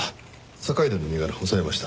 坂出の身柄押さえました。